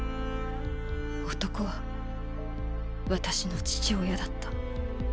男は私の父親だった。